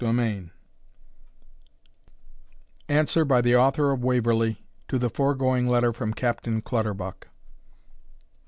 _ANSWER BY "THE AUTHOR OF WAVERLEY," TO THE FOREGOING LETTER FROM CAPTAIN CLUTTERBUCK.